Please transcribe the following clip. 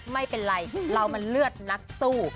ไม่เป็นไรเรามันเลือดนักสู้